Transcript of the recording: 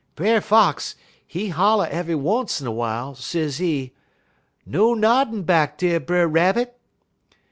Brer Fox, he holler ev'y once in a w'ile, sezee: "'No noddin' back dar, Brer Rabbit!'